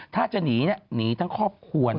ถ้าจะหนีหนีทั้งครอบครัว